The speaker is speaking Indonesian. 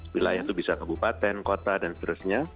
wilayah itu bisa ke bupaten kota dan seterusnya